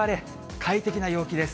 快適な陽気です。